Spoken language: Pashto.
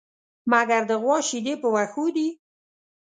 مگر د غوا شيدې په وښو دي.